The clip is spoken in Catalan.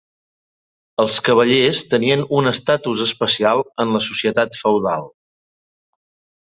Els cavallers tenien un estatus especial en la societat feudal.